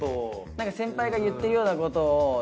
なんか先輩が言ってるようなことを。